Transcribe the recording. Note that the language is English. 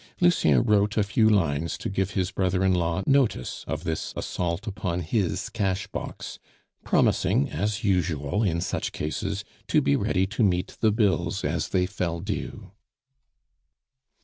Lucien wrote a few lines to give his brother in law notice of this assault upon his cash box, promising, as usual in such cases, to be ready to meet the bills as they fell due.